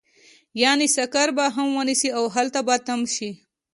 يعنې سکر به هم ونيسي او هلته به تم شي.